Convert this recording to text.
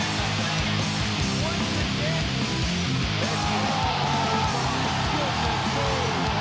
สวัสดีครับ